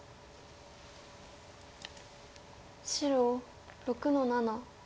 白６の七。